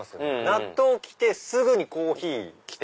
納豆きてすぐにコーヒー。